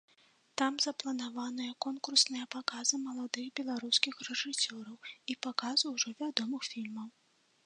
Там запланаваныя конкурсныя паказы маладых беларускіх рэжысёраў і паказы ўжо вядомых фільмаў.